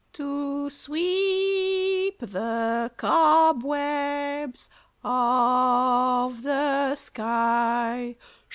To sweep the cobwebs off the sky.